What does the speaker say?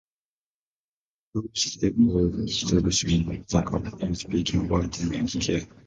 To stave off starvation, the couple each began writing as a career.